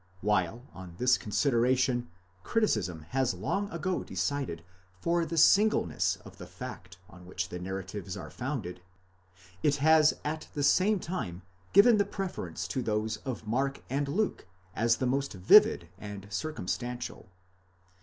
While, on this consideration, criticism has long ago decided for the singleness of the fact on which the narratives are founded, it has at the same time given the preference to those of Mark and Luke as the most vivid and circumstantial.